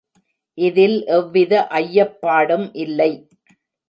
இதில் எவ்வித ஐயப்பாடும் இல்லை.